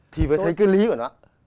thì mới thấy cái lý của nó